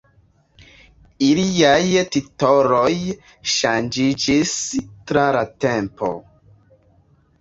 Iliaj titoloj ŝanĝiĝis tra la tempo.